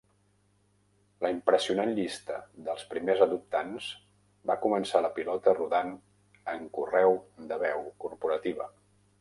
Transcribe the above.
La impressionant llista dels primers adoptants va començar la pilota rodant en correu de veu corporativa.